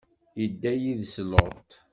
idda yid-s Luṭ.